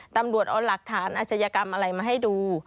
ตำรวจเอาหลักฐานอาชญากรรมอะไรมาให้ดู